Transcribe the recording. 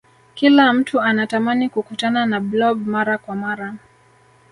kila mtu anatamani kukutana na blob mara kwa mara